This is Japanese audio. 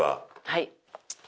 はい。